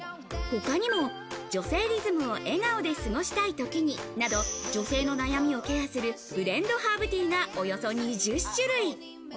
他にも女性リズムを笑顔で過ごしたい時になど女性の悩みをケアするブレンドハーブティーが、およそ２０種類。